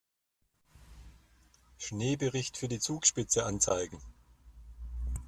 Schneebericht für die Zugspitze anzeigen.